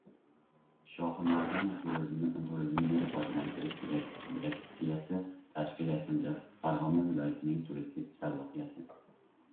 “Shoximardon” turizmni rivojlantirish direktsiyasi tashkil etildi. Farg‘ona viloyatining turistik salohiyati